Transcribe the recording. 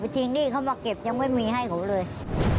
จริงหนี้เขามาเก็บยังไม่มีให้เขาเลย